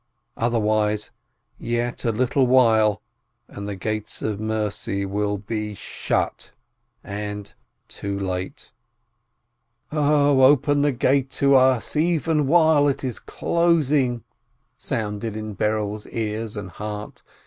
. otherwise, yet a little while, and the gates of mercy will be shut and ... too late ! YOM KIPPUR 207 "Oh, open the gate to us, even while it is closing," sounded in Berel's ears and heart